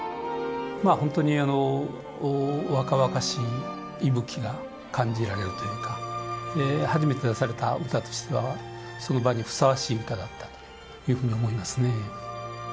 まあホントに若々しい息吹が感じられるというか初めて出された歌としてはその場にふさわしい歌だったというふうに思いますね。